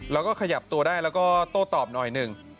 แล้วก็ขยับตัวได้แล้วก็โต้ตอบหน่อยหนึ่ง